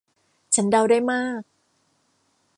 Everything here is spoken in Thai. ฉันเดาได้มาก